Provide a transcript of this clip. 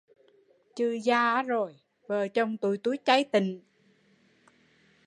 Chừ già rồi, vợ chồng tụi tui chay tịnh